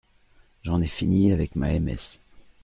J’en ai fini avec ma M.S.